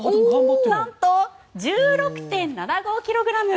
なんと１６．７５ｋｇ。